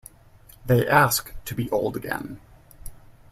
They ask to be old again.